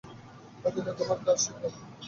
হয়তো এটা তোমার কার্সের কারণে?